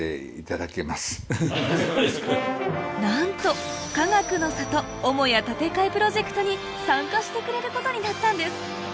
なんとかがくの里母屋建て替えプロジェクトに参加してくれることになったんです！